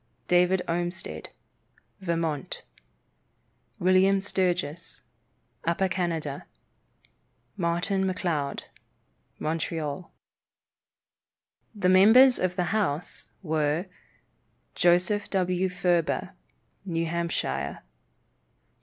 David Olmsted, Vermont. William Sturgis, Upper Canada. Martin McLeod, Montreal. The members of the House were: Joseph W. Furber, New Hampshire.